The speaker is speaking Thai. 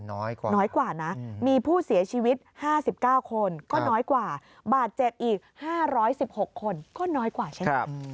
น้อยกว่าน้อยกว่านะมีผู้เสียชีวิต๕๙คนก็น้อยกว่าบาดเจ็บอีก๕๑๖คนก็น้อยกว่าใช่ไหม